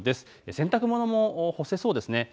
洗濯物、干せそうですね。